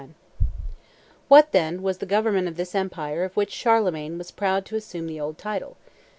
What, then, was the government of this empire of which Charlemagne was proud to assume the old title?